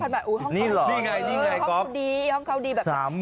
๓๐๐๐บาทห้องเขาดีห้องเขาดี